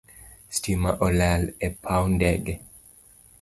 Stima olal e paw ndege